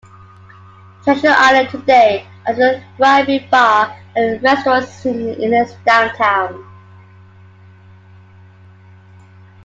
Treasure Island today has a thriving bar and restaurant scene in its downtown.